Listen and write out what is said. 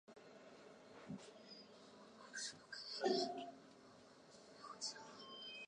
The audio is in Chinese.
喜欢阅读戏曲与诗歌类书籍。